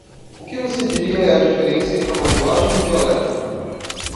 O que você diria é a diferença entre uma linguagem e um dialeto?